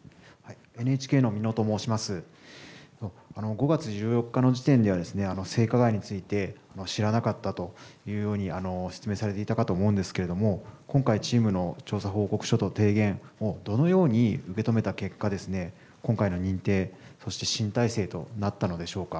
５月１４日の時点では、性加害について知らなかったというように説明されていたかと思うんですけれども、今回、チームの調査報告書と提言をどのように受け止めた結果、今回の認定、そして新体制となったのでしょうか。